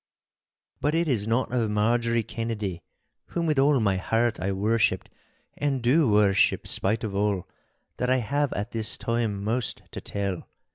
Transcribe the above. But it is not of Marjorie Kennedy, whom with all my heart I worshipped (and do worship, spite of all), that I have at this time most to tell.